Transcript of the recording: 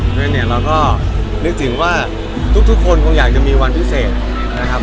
เพราะฉะนั้นเนี่ยเราก็นึกถึงว่าทุกคนคงอยากจะมีวันพิเศษนะครับ